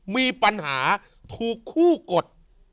มีปัญหาถูกคู่กด